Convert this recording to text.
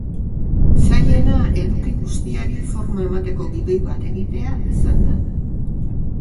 Zailena eduki guztiari forma emateko gidoi bat egitea izan da.